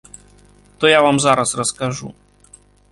То я вам зараз раскажу.